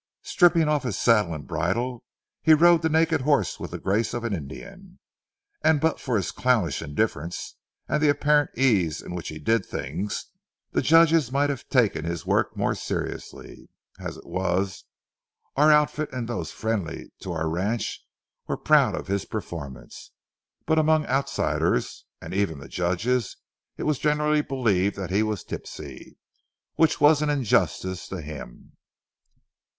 Stripping off his saddle and bridle, he rode the naked horse with the grace of an Indian, and but for his clownish indifference and the apparent ease with which he did things, the judges might have taken his work more seriously. As it was, our outfit and those friendly to our ranch were proud of his performance, but among outsiders, and even the judges, it was generally believed that he was tipsy, which was an injustice to him.